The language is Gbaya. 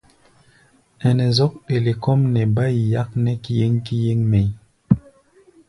Ɛnɛ zɔ́k ɗele kɔ́ʼm nɛ bá yi yáknɛ́ kíéŋ-kíéŋ mɛʼí̧.